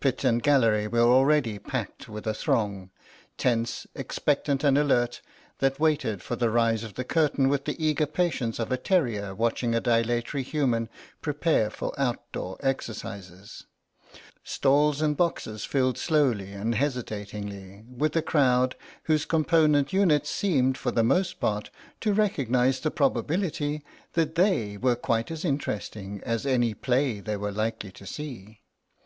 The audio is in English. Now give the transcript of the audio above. Pit and gallery were already packed with a throng, tense, expectant and alert, that waited for the rise of the curtain with the eager patience of a terrier watching a dilatory human prepare for outdoor exercises. Stalls and boxes filled slowly and hesitatingly with a crowd whose component units seemed for the most part to recognise the probability that they were quite as interesting as any play they were likely to see.